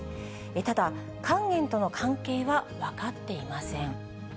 ただ、肝炎との関係は分かっていません。